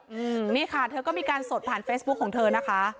เด๑๙๕นเบ็บแล้วเธอมีการสดผ่านเฟซบุ๊คของเธอนะคะ